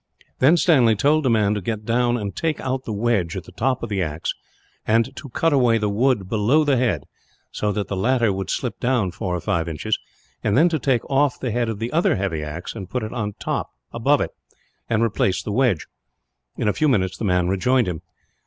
Then Stanley told the man to get down and take out the wedge, at the top of the axe; and to cut away the wood below the head, so that the latter would slip down, four or five inches; then to take off the head of the other heavy axe and put it on above it, and replace the wedge. In a few minutes, the man rejoined him.